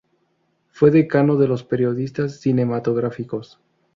Fue decano de los periodistas cinematográficos.